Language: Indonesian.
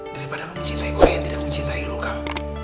daripada lo mencintai gue yang tidak mencintai lo kal